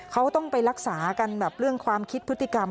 เขาต้องไปรักษากันแบบเรื่องความคิดพฤติกรรม